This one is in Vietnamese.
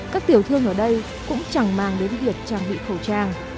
các tiểu thương ở đây cũng chẳng mang đến việc trang bị khẩu trang